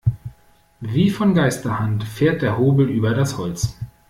Wie von Geisterhand fährt der Hobel über das Holz.